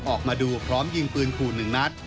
ออกมาดูพร้อมยิงปืนขู่หนึ่งนัด